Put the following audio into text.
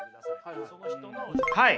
はい。